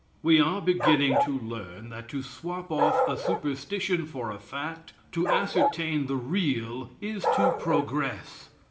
We are beginning to learn that to swap off a superstition for a fact, to ascertain the real, is to progress.